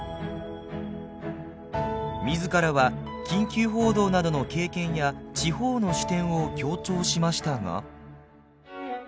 自らは「緊急報道などの経験」や「地方の視点」を強調しましたが。